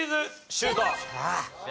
シュート！